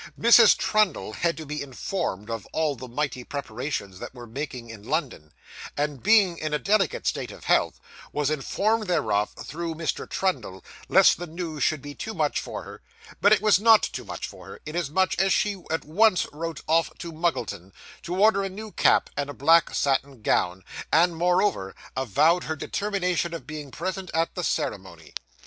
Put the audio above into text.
Mrs. Trundle had to be informed of all the mighty preparations that were making in London; and, being in a delicate state of health, was informed thereof through Mr. Trundle, lest the news should be too much for her; but it was not too much for her, inasmuch as she at once wrote off to Muggleton, to order a new cap and a black satin gown, and moreover avowed her determination of being present at the ceremony.